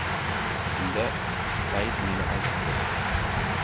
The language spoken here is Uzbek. Shunda, rais meni aytibdi.